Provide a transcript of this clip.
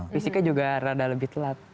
fisiknya juga rada lebih telat